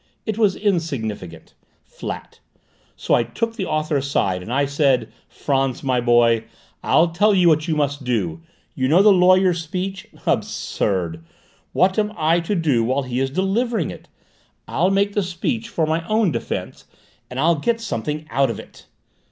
It was insignificant, flat! So I took the author aside and I said: 'Frantz, my boy, I'll tell you what you must do: you know the lawyer's speech? Absurd! What am I to do while he is delivering it? I'll make the speech for my own defence, and I'll get something out of it!'